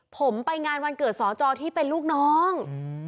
ผมไปงานวันเกิดสจที่เป็นลูกน้อง